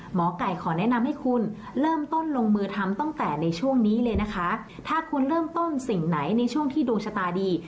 หมอไก่ขอแนะนำให้คุณเริ่มต้นลงมือทำตั้งแต่ในช่วงนี้เลยนะคะถ้าคุณเริ่มต้นสิ่งไหนในช่วงที่ดวงชะตาดี